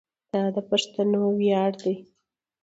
دا د پښتنو ویاړ دی.